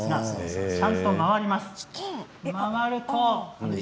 きちんと回ります。